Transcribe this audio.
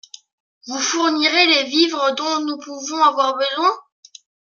Vous fournirez les vivres dont nous pouvons avoir besoin.